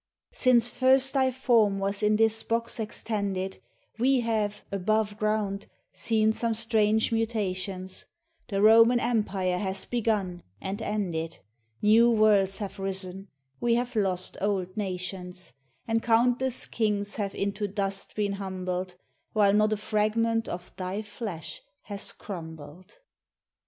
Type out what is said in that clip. Since first thy form was in this box extended We have, above ground, seen some strange muta tions : The Roman empire has begun and ended, New worlds have risen, we have lost old nations ; And countless kings have into dust been humbled, While not a fragment of thy flesh has crumbled.